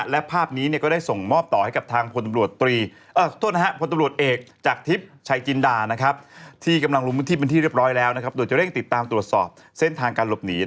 และภาพนี้เนี่ยก็ได้ส่งมอบต่อให้กับทางอัศวิน